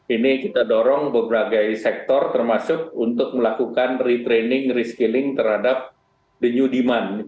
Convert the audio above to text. ini kita dorong beberapa sektor termasuk untuk melakukan retraining reskilling terhadap the new demand